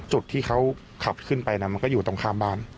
จุดที่เขาขับขึ้นไปมันก็อยู่ตรงข้ามบ้าน